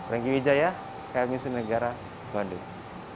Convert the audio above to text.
ranking wijaya km news negara bandung